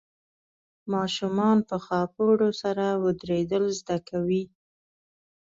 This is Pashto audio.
ماشومان په خاپوړو سره ودرېدل زده کوي.